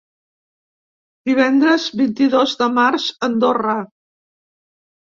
Divendres vint-i-dos de març- Andorra.